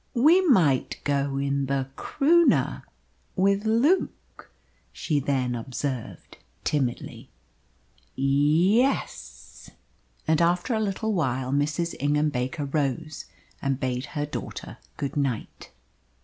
"We might go in the Croonah with Luke," she then observed timidly. "Ye es." And after a little while Mrs. Ingham Baker rose and bade her daughter good night.